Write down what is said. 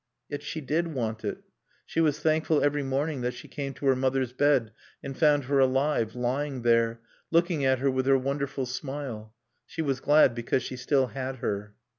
Yet she did want it. She was thankful every morning that she came to her mother's bed and found her alive, lying there, looking at her with her wonderful smile. She was glad because she still had her.